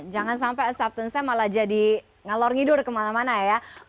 jangan sampai acceptance nya malah jadi ngalor ngidur kemana mana ya